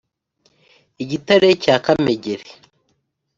i gitare cya kamegeri